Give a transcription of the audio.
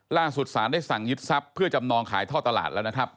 ล่าสุดสารได้สั่งยึดทรัพย์เพื่อจำนองขายท่อตลาดแล้วนะครับ